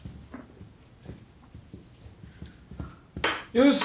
よし。